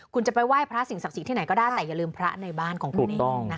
คุณจะไปไหว้พระสิ่งศักดิ์ที่ไหนก็ได้แต่อย่าลืมพระในบ้านของคุณ